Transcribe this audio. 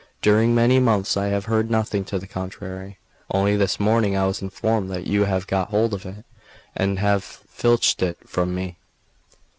During many months I have heard nothing to the contrary; only this morning I was informed that you have got hold of it, and have filched it from me.